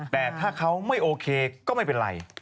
แต่ถ้าเขาไม่โอเคก็ไม่เป็นไร